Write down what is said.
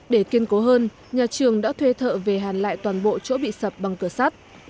để kiên cố hơn nhà trường đã thuê thợ về hàn lại toàn bộ chỗ bị sập bằng cửa sắt